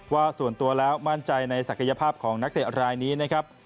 ว่าส่วนตัวแล้วมั่นใจในศักยภาพของนักเตะรายนี้นะครับ